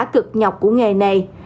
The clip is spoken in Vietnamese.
cực nhọc của nghề này